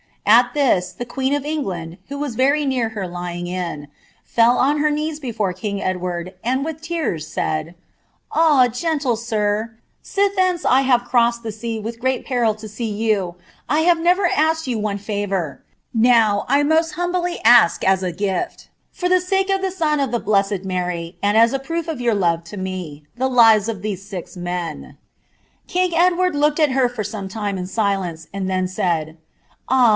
"At this, the queen of England, who was very near her lyiiig jii, fii on her knees before king Edward, and with tears said, — 'AK, gunk m, silhence I have crossed the sea with great peril to see you, I ban mw asked you one lavonr; now, I most humbly ask as a gift, for ite Nkt of the Son of the blessed Mary, and as a proof of your lore to n*, iM lives of these six men.' " King Edward looked at her for some lime in silence, anil (hen suj, — 'Ah.